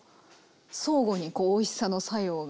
相互にこうおいしさの作用が。